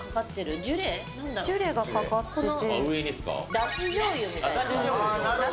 ジュレがかかってて。